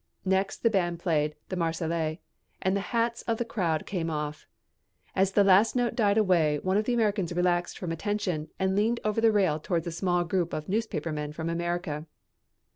Next the band played "The Marseillaise," and the hats of the crowd came off. As the last note died away one of the Americans relaxed from attention and leaned over the rail toward a small group of newspapermen from America.